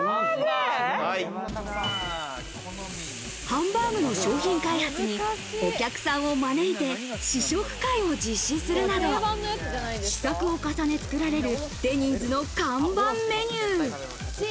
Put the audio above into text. ハンバーグの商品開発にお客さんを招いて試食会を実施するなど、試作を重ね作られるデニーズの看板メニュー。